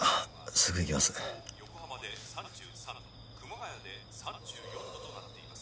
すぐ行きます横浜で３３度熊谷で３４度となっています